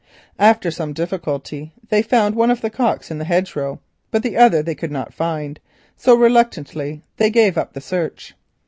After some difficulty they found one of the cocks in the hedgerow, but the other they could not find, so reluctantly they gave up the search.